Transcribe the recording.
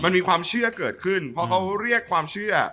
มันมีความเชื่อเกิดขึ้นเพราะเขาเรียกความเชื่อ